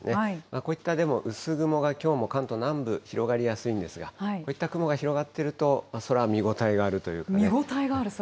こういった、でも薄雲がきょうも関東南部、広がりやすいんですが、こういった雲が広がっていると、見応えがある空ですか。